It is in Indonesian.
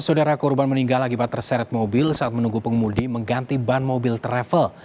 saudara korban meninggal akibat terseret mobil saat menunggu pengemudi mengganti ban mobil travel